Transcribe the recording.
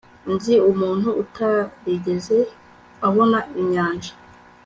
nzi umuntu utarigeze abona inyanja